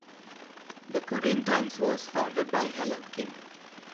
"The Korea Times" was founded by Helen Kim.